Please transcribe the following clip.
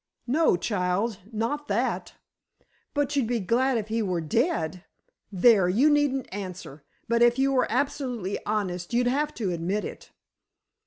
"No, child—not that." "But you'd be glad if he were dead! There, you needn't answer. But if you were absolutely honest, you'd have to admit it."